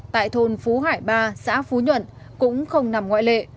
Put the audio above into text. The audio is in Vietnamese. tại thôn phú hải ba xã phú nhuận cũng không nằm ngoại lệ